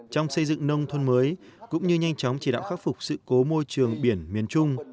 trong xây dựng nông thôn mới cũng như nhanh chóng chỉ đạo khắc phục sự cố môi trường biển miền trung